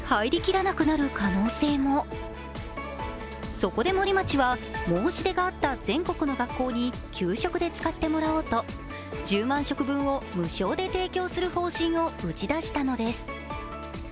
そこで森町は申し出があった全国の学校に給食で使ってもらおうと１０万食分を無償で提供する方針を打ち出したのです。